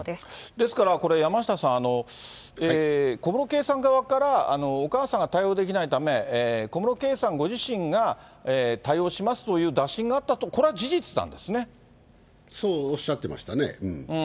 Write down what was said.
ですから、これ、山下さん、小室圭さん側から、お母さんが対応できないため、小室圭さんご自身が対応しますという打診があったと、これは事実そうおっしゃってましたね。